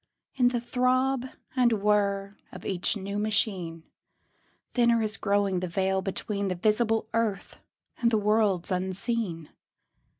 In the throb and whir of each new machine Thinner is growing the veil between The visible earth and the worlds unseen.